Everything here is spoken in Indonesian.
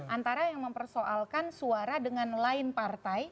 antara yang mempersoalkan suara dengan lain partai